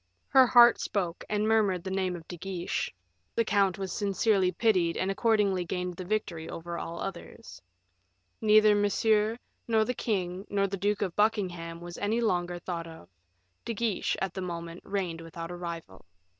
Her heart spoke, and murmured the name of De Guiche; the count was sincerely pitied and accordingly gained the victory over all others. Neither Monsieur, nor the king, nor the Duke of Buckingham, was any longer thought of; De Guiche at that moment reigned without a rival.